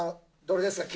どれですか？